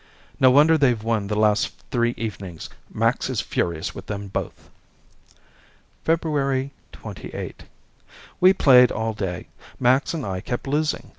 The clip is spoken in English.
No wonder they've won the last three evenings! Max is furious with them both. February 28 We played all day. Max and I kept losing.